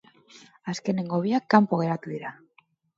Azkenengo biak kanpo geratu dira.